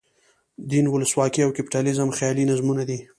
دین، ولسواکي او کپیټالیزم خیالي نظمونه دي.